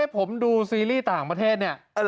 ผมดูซีรีส์ต่างประเทศเนี่ย